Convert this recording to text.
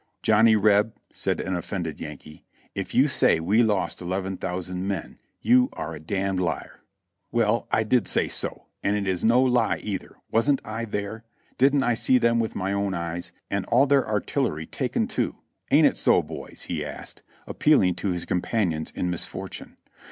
"Johnny Reb," said an offended Yankee, "if you say we lost eleven thousand men, you are a damned liar." "Well, I did say so, and it is no lie either; wasn't I there? Didn't I see them with my own eyes ? and all their artillery taken too; ain't it so, boys?" he asked, appealing to his companions in misfortune.